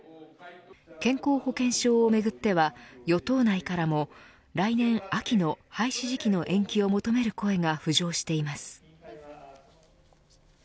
健康保険証をめぐっては与党内からも来年、秋の廃止時期の延期を求める声が浮上しています。